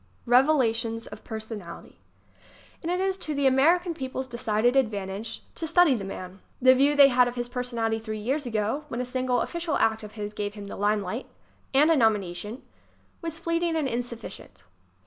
Revelations of Personality And it is to the American people's decided ad vantage to study the man. The view they had of his personality three years ago, when a single of ficial act of his gave him the limelight ŌĆö and a nom ination ŌĆö was fleeting and insufficient.